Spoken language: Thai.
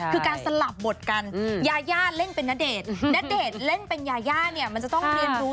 คือการสลับบทกันยาย่าเล่นเป็นณเดชน์ณเดชน์เล่นเป็นยาย่าเนี่ยมันจะต้องเรียนรู้